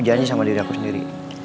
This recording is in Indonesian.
janji sama diri aku sendiri